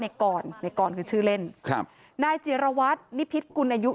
ในกรในกรคือชื่อเล่นครับนายจิรวัตรนิพิษกุลอายุ